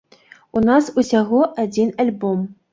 У нас усяго адзін альбом.